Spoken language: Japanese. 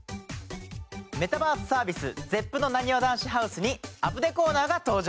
メタバースサービスＺＥＰのなにわ男子ＨＯＵＳＥに『アプデ』コーナーが登場！